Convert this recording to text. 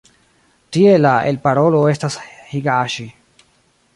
Tie la elparolo estas higaŝi.